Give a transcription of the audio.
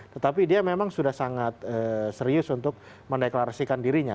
tetapi dia memang sudah sangat serius untuk mendeklarasikan dirinya